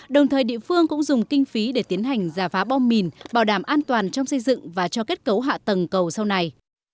đồng thời địa phương cũng dùng kinh phí để tiến hành giả phá bom mìn bảo đảm an toàn trong xây dựng và cho kết cấu hạ tầng cầu sau này